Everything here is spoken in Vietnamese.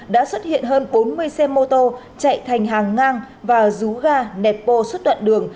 đã xuất hiện hơn bốn mươi xe mô tô chạy thành hàng ngang và rú ga nẹp bô suốt đoạn đường